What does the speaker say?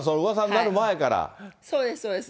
そうです、そうです。